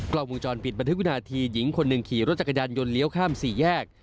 กล้องวงจรปิดบันทึกวินาทีหญิงคนหนึ่งขี่รถจักรยานยนต์เลี้ยวข้ามสี่แยก